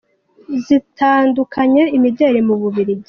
Zitandukanye Imideli mu Bubiligi.